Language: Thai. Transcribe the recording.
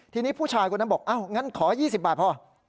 ทีนี้ผู้ชายคนนั้นบอกอ้าวงั้นขอ๒๐บาทพอ